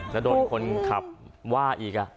จะโดนคนขับว่าอีก